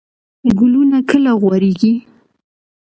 ګلونه کله غوړیږي؟